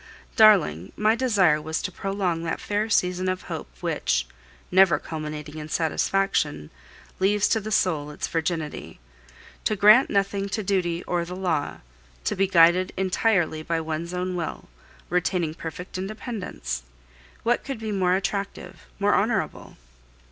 Darling, my desire was to prolong that fair season of hope which, never culminating in satisfaction, leaves to the soul its virginity. To grant nothing to duty or the law, to be guided entirely by one's own will, retaining perfect independence what could be more attractive, more honorable?